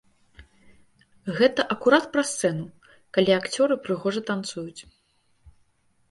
Гэта акурат пра сцэну, калі акцёры прыгожа танцуюць.